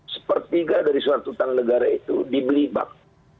sepertiga dari surat utang negara itu dibeli bank